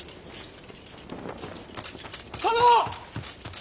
殿！